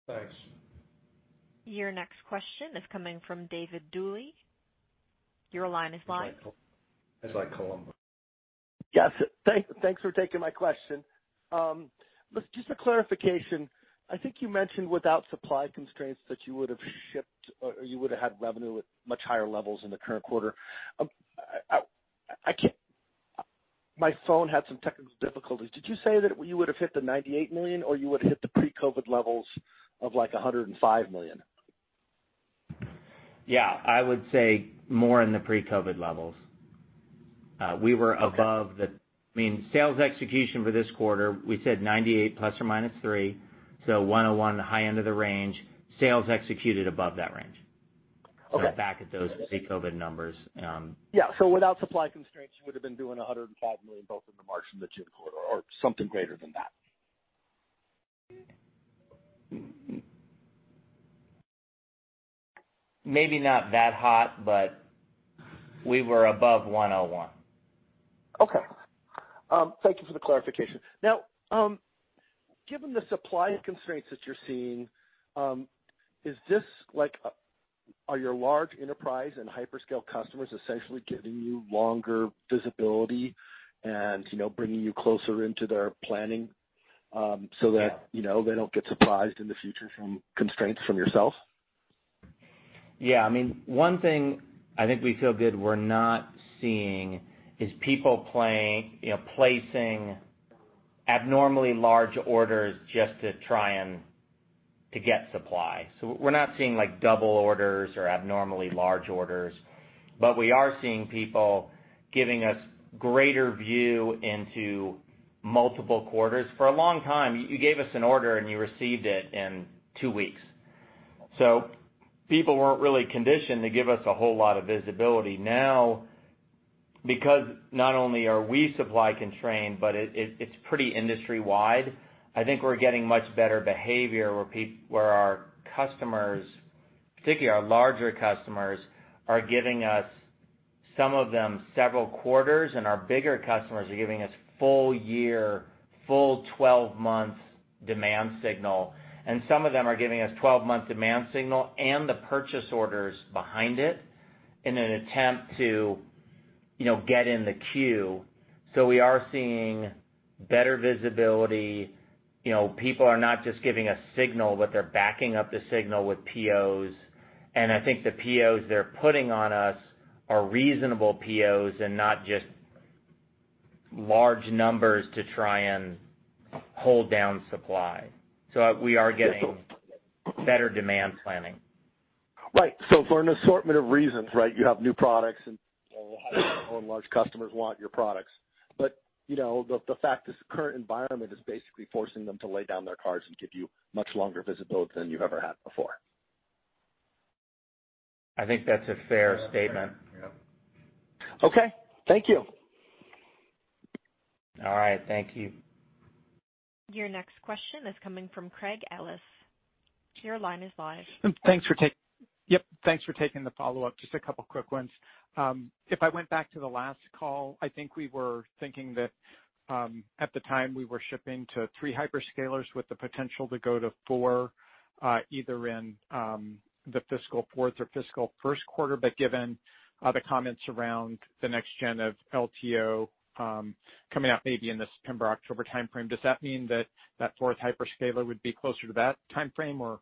Thanks. Your next question is coming from David Duley. Your line is live. As I call him. Yes. Thanks for taking my question. Just for clarification, I think you mentioned without supply constraints that you would have shipped or you would have had revenue at much higher levels in the current quarter. My phone had some technical difficulties. Did you say that you would have hit the $98 million, or you would have hit the pre-COVID levels of, like, $105 million? Yeah. I would say more in the pre-COVID levels. Sales execution for this quarter, we said $98 million ±$3 million, so $101 million high end of the range. Sales executed above that range. Okay. Back at those pre-COVID numbers. Yeah. Without supply constraints, you would've been doing $105 million both in the March and the June quarter or something greater than that? Maybe not that hot, but we were above $101 million. Okay. Thank you for the clarification. Given the supply constraints that you're seeing, are your large enterprise and hyperscale customers essentially giving you longer visibility and bringing you closer into their planning so that they don't get surprised in the future from constraints from yourself? Yeah. One thing I think we feel good we're not seeing is people placing abnormally large orders just to try and to get supply. We're not seeing double orders or abnormally large orders, but we are seeing people giving us greater view into multiple quarters. For a long time, you gave us an order, and you received it in two weeks. People weren't really conditioned to give us a whole lot of visibility. Now, because not only are we supply-constrained, but it's pretty industry-wide, I think we're getting much better behavior where our customers, particularly our larger customers, are giving us some of them several quarters, and our bigger customers are giving us full year, full 12 months demand signal, and some of them are giving us 12-month demand signal and the purchase orders behind it in an attempt to get in the queue. We are seeing better visibility. People are not just giving a signal, but they're backing up the signal with POs, and I think the POs they're putting on us are reasonable POs and not just large numbers to try and hold down supply. We are getting better demand planning. Right. For an assortment of reasons, you have new products and more and large customers want your products. The fact is the current environment is basically forcing them to lay down their cards and give you much longer visibility than you've ever had before. I think that's a fair statement. Yep. Okay. Thank you. All right. Thank you. Your next question is coming from Craig Ellis. Your line is live. Yep, thanks for taking the follow-up. Just a couple quick ones. If I went back to the last call, I think we were thinking that at the time we were shipping to three hyperscalers with the potential to go to four, either in the fiscal fourth or fiscal first quarter. Given the comments around the next gen of LTO coming out maybe in the September, October timeframe, does that mean that fourth hyperscaler would be closer to that timeframe, or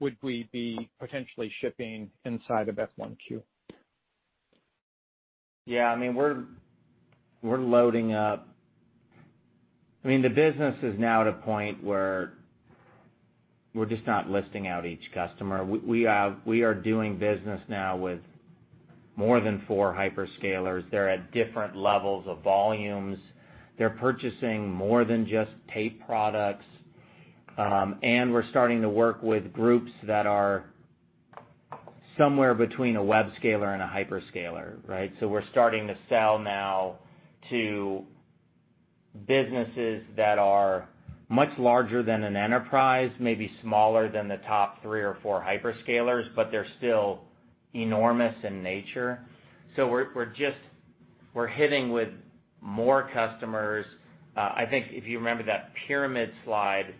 would we be potentially shipping inside of F 1Q? We're loading up. The business is now at a point where we're just not listing out each customer. We are doing business now with more than four hyperscalers. They're at different levels of volumes. They're purchasing more than just tape products. We're starting to work with groups that are somewhere between a web scaler and a hyperscaler, right? We're starting to sell now to businesses that are much larger than an enterprise, maybe smaller than the top three or four hyperscalers, but they're still enormous in nature. We're hitting with more customers. I think if you remember that pyramid slide,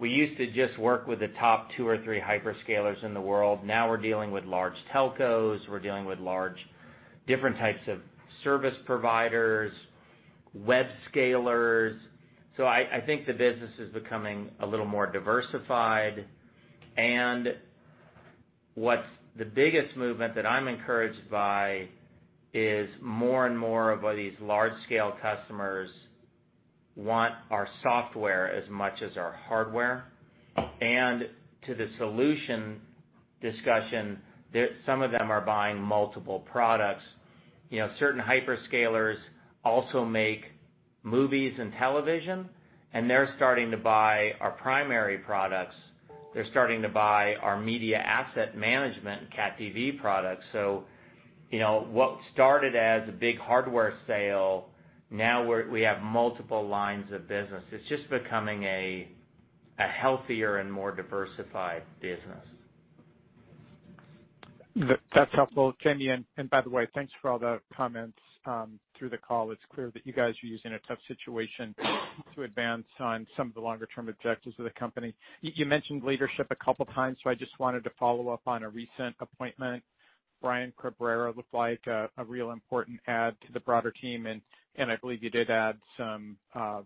we used to just work with the top two or three hyperscalers in the world. Now we're dealing with large telcos. We're dealing with different types of service providers, web scalers. I think the business is becoming a little more diversified. What's the biggest movement that I'm encouraged by is more and more of these large-scale customers want our software as much as our hardware. To the solution discussion, some of them are buying multiple products. Certain hyperscalers also make movies and television, and they're starting to buy our primary products. They're starting to buy our media asset management, CatDV products. What started as a big hardware sale, now we have multiple lines of business. It's just becoming a healthier and more diversified business. That's helpful, Jamie. By the way, thanks for all the comments through the call. It's clear that you guys are using a tough situation to advance on some of the longer-term objectives of the company. You mentioned leadership a couple of times, so I just wanted to follow up on a recent appointment. Brian Cabrera looked like a real important add to the broader team, and I believe you did add some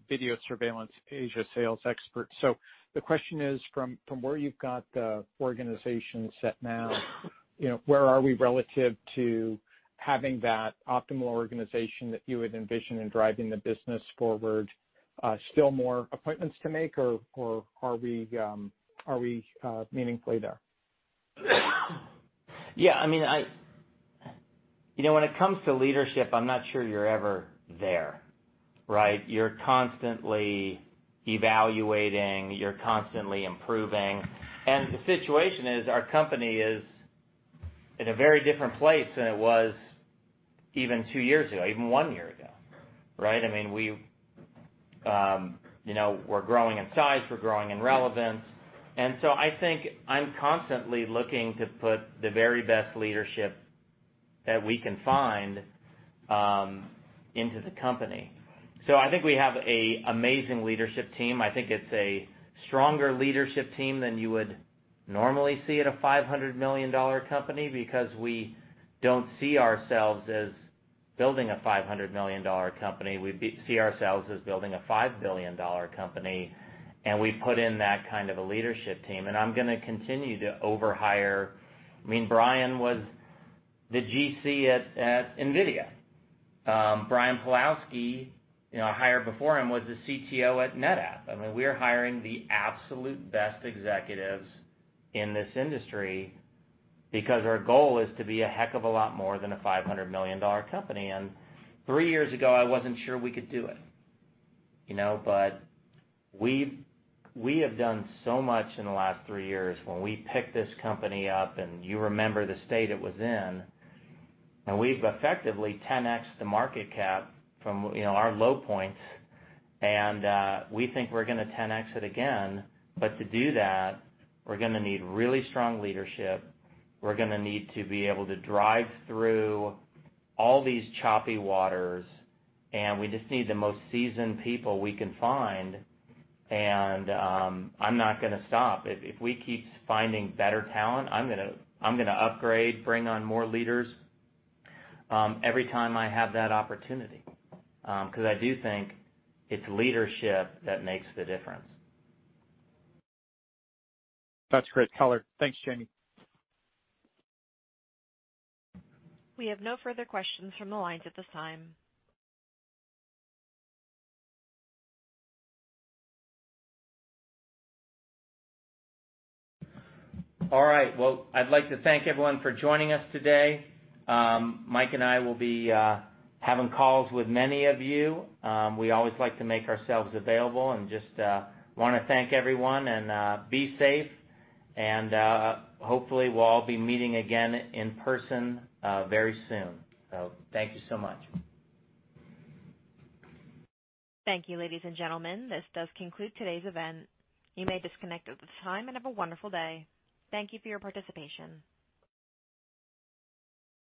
video surveillance Asia sales experts. The question is, from where you've got the organization set now, where are we relative to having that optimal organization that you would envision in driving the business forward? Still more appointments to make, or are we meaningfully there? When it comes to leadership, I'm not sure you're ever there. RIght? You're constantly evaluating, you're constantly improving. The situation is our company is in a very different place than it was even two years ago, even one year ago. Right? We're growing in size, we're growing in relevance, I think I'm constantly looking to put the very best leadership that we can find into the company. I think we have an amazing leadership team. I think it's a stronger leadership team than you would normally see at a $500 million company because we don't see ourselves as building a $500 million company. We see ourselves as building a $5 billion company, we put in that kind of a leadership team, I'm going to continue to over-hire. Brian was the GC at Nvidia. Brian Pawlowski, hired before him, was the CTO at NetApp. We're hiring the absolute best executives in this industry because our goal is to be a heck of a lot more than a $500 million company. Three years ago, I wasn't sure we could do it. We have done so much in the last three years when we picked this company up, and you remember the state it was in, and we've effectively 10x the market cap from our low points, and we think we're going to 10x it again. To do that, we're going to need really strong leadership. We're going to need to be able to drive through all these choppy waters, and we just need the most seasoned people we can find, and I'm not going to stop. If we keep finding better talent, I'm going to upgrade, bring on more leaders every time I have that opportunity, because I do think it's leadership that makes the difference. That's great color. Thanks, Jamie. We have no further questions from the lines at this time. All right, well, I'd like to thank everyone for joining us today. Mike and I will be having calls with many of you. We always like to make ourselves available and just want to thank everyone and be safe, and hopefully we'll all be meeting again in person very soon. Thank you so much. Thank you, ladies and gentlemen. This does conclude today's event. You may disconnect at this time, and have a wonderful day. Thank you for your participation.